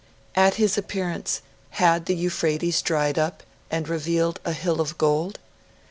At his appearance, had the Euphrates dried up and revealed a hill of gold?